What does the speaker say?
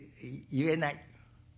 「言えない？